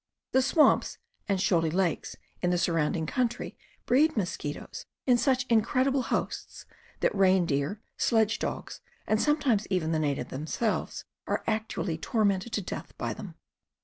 The swamps and shoaly lakes in the surrounding country breed mosquitoes in such in credible hosts that reindeer, sledge dogs, and sometimes even the natives themselves, are actually tormented to death by them.